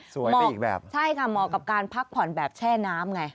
ไปอีกแบบใช่ค่ะเหมาะกับการพักผ่อนแบบแช่น้ำไง